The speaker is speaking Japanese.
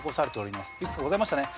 いくつかございましたね。